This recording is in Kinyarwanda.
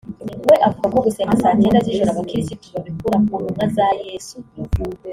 we avuga ko gusenga saa cyenda z’ijoro abakirisito babikura ku ntumwa za Yesu